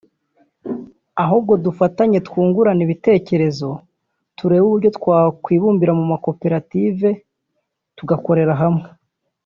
ahubwo dufatanye twungurane ibitekerezo turebe uburyo twakwibumbira mu makoperative tugakorera hamwe